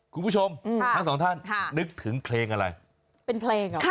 คุณผู้ชมทั้งสองท่านค่ะนึกถึงเพลงอะไรเป็นเพลงเหรอ